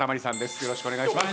よろしくお願いします。